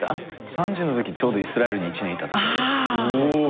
３０のときちょうどイスラエルに１年いたときで。